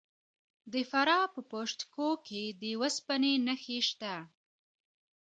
د فراه په پشت کوه کې د وسپنې نښې شته.